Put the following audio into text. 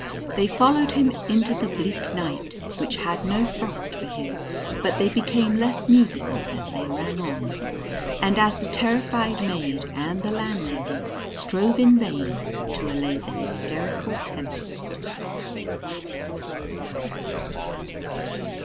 They followed him into the bleak night, which had no frost for him; but they became less musical as they rang on, and as the terrified maid and the landlady strove in vain to allay the hysterical tempest.